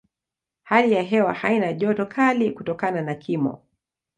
Hali ya hewa haina joto kali kutokana na kimo.